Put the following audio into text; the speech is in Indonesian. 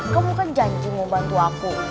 kamu kan janji mau bantu aku